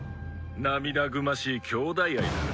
涙ぐましい姉弟愛だな。